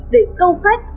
để câu khách